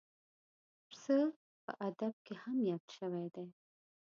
پسه په ادب کې هم یاد شوی دی.